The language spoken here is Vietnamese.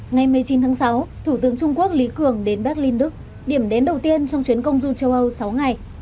ngày một mươi chín tháng sáu thủ tướng trung quốc lý cường đến berlin đức điểm đến đầu tiên trong chuyến công du châu âu sáu ngày